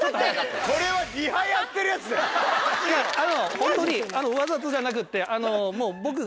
ホントにわざとじゃなくってもう僕が。